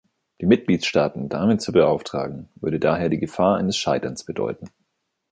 Die Mitgliedstaaten damit zu beauftragen, würde daher die Gefahr eines Scheiterns bedeuten.